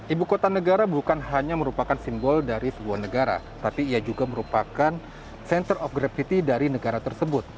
ibu kota negara bukan hanya merupakan simbol dari sebuah negara tapi ia juga merupakan center of gravity dari negara tersebut